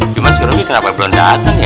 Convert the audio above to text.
cuman si robi kenapa belum dateng ya